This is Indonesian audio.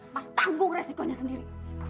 mas tanggung resikonya sendiri